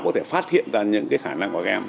có thể phát hiện ra những khả năng của các em